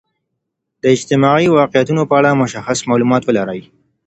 د اجتماعي واقعیتونو په اړه مشخص معلومات ولرئ.